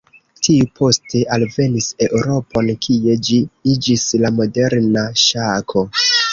Tiu poste alvenis Eŭropon, kie ĝi iĝis la moderna Ŝako.